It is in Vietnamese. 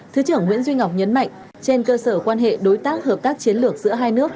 thứ trưởng nguyễn duy ngọc nhấn mạnh trên cơ sở quan hệ đối tác hợp tác chiến lược giữa hai nước